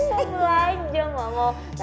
aku gak belanja mama